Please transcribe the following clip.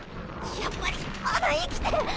やっぱりまだ生きてる。